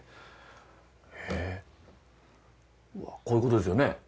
こういうことですよね。